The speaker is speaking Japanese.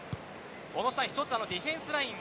小野さん一つ、ディフェンスライン。